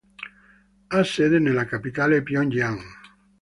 Ha sede nella capitale Pyongyang.